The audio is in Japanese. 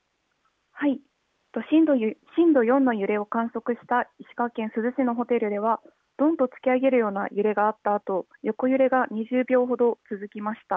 震度４の揺れを観測した石川県珠洲市のホテルでは、どんと突き上げるような揺れがあったあと、横揺れが２０秒ほど続きました。